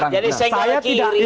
jadi saya tidak kiri